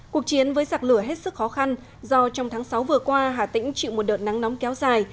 cuộc chiến với giặc lửa hết sức khó khăn do trong tháng sáu vừa qua hà tĩnh chịu một đợt nắng nóng kéo dài